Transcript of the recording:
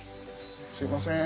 すいません。